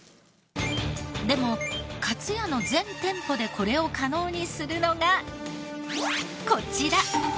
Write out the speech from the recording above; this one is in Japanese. でもかつやの全店舗でこれを可能にするのがこちら。